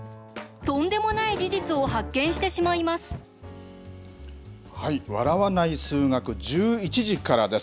とんでもない事実を発見してしま笑わない数学、１１時からです。